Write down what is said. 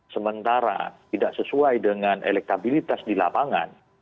sementara tidak sesuai dengan elektabilitas di lapangan